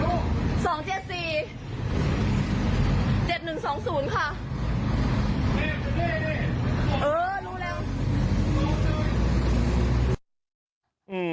เออรู้แล้ว